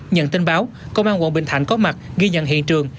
nhận tin báo công an quận bình thạnh có mặt ghi nhận hiện trường